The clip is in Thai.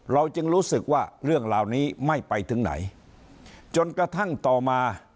จึงรู้สึกว่าเรื่องเหล่านี้ไม่ไปถึงไหนจนกระทั่งต่อมา